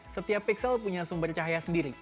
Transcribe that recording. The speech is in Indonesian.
setiap pixel punya sumber cahaya sendiri